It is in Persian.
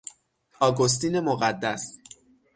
اگوستین مقدس